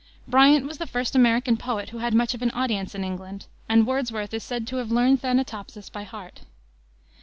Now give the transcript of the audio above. Bryant was the first American poet who had much of an audience in England, and Wordsworth is said to have learned Thanatopsis by heart.